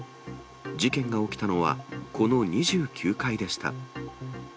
事件が起きたのは、この２９階でした。